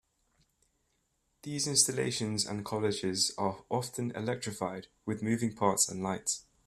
These installations and collages are often electrified, with moving parts and lights.